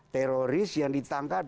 teroris yang ditangkap